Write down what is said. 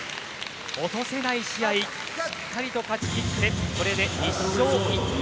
落とせない試合しっかりと勝ち切ってこれで１勝１敗。